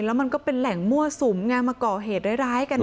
แล้วมันก็เป็นแหล่งมั่วสุมไงมาก่อเหตุร้ายกัน